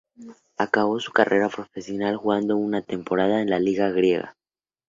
Acabó su carrera profesional jugando una temporada en la liga griega.